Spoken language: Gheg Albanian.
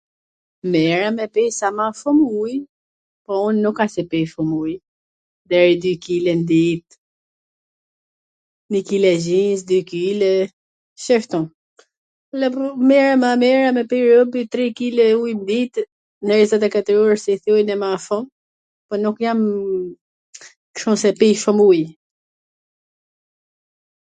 Mir a me pi sa ma shum uj, po un nuk a se pi shum uj, deri dy kile n dit, nji kile e gjys, dy kile, shiftu. Ma mir a me pi robi tri kile uj n ditw, nw njwzetekatwr orw si i thojn e ma shum, po nuk jam kshu se pi shum uj,